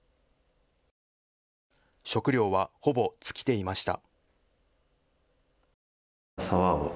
食料はほぼ尽きていました。